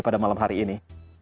pada malam hari ini